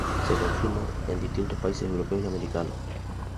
Se consume en distintos países europeos y americanos.